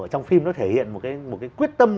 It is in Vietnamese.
trong phim nó thể hiện một cái quyết tâm